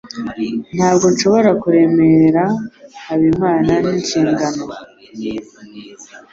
Ntabwo nshobora kuremerera Habimana n'inshingano.